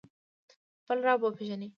خپل رب وپیژنئ